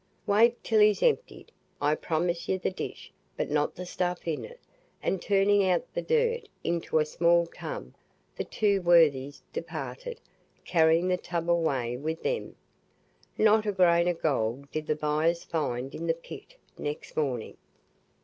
"Wait till he's emptied. I promised yer the dish, but not the stuff in it," and turning out the dirt into a small tub the two worthies departed, carrying the tub away with them. Not a grain of gold did the buyers find in the pit next morning.